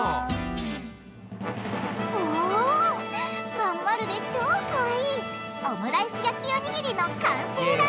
まん丸で超かわいいオムライス焼きおにぎりの完成だ！